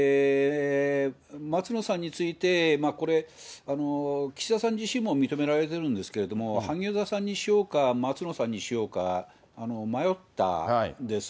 松野さんについて、岸田さん自身も認められているんですけれども、萩生田さんにしようか、松野さんにしようか、迷ったんです。